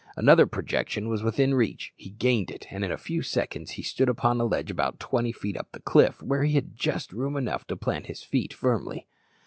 Another projection was within reach; he gained it, and in a few seconds he stood upon a ledge about twenty feet up the cliff, where he had just room to plant his feet firmly.